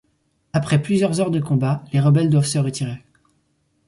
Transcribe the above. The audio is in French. Après plusieurs heures de combat, les rebelles doivent se retirer.